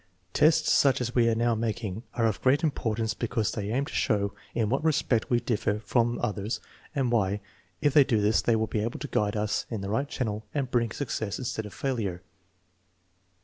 5 * "Tests such as we are now making are of great importance be cause they aim to show in what respects we differ from others and why, and if they do this they will be able to guide us into the right channel and bring success instead of failure."